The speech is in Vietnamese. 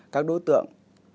các đối tượng